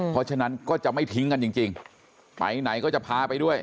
เพราะฉะนั้นก็จะไม่ทิ้งกันจริงไปไหนก็จะพาไปด้วย